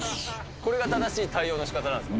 これが正しい対応のしかたなんですね。